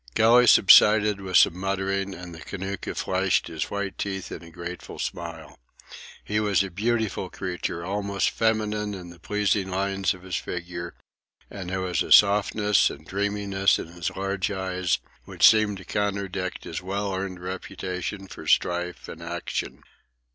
Kelly subsided with some muttering, and the Kanaka flashed his white teeth in a grateful smile. He was a beautiful creature, almost feminine in the pleasing lines of his figure, and there was a softness and dreaminess in his large eyes which seemed to contradict his well earned reputation for strife and action.